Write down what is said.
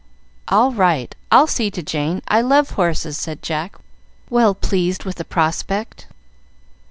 "All right! I'll see to Jane. I love horses," said Jack, well pleased with the prospect.